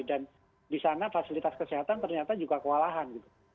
dan di sana fasilitas kesehatan ternyata juga kewalahan